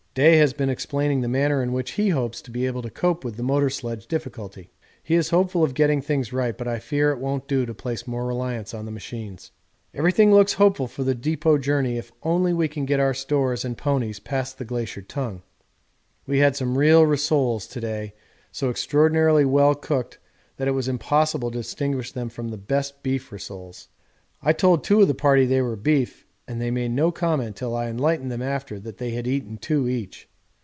Day has been explaining the manner in which he hopes to be able to cope with the motor sledge difficulty. He is hopeful of getting things right, but I fear it won't do to place more reliance on the machines. Everything looks hopeful for the depot journey if only we can get our stores and ponies past the Glacier Tongue. We had some seal rissoles to day so extraordinarily well cooked that it was impossible to distinguish them from the best beef rissoles. I told two of the party they were beef, and they made no comment till I enlightened them after they had eaten two each.